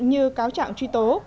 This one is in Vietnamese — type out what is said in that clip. như cáo trạng truy tố